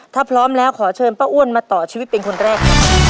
ถ้าพร้อมแล้วขอเชิญป้าอ้วนมาต่อชีวิตเป็นคนแรกครับ